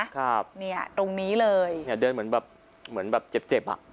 ครับตรงนี้เลยเดินเหมือนแบบเจ็บอ่ะ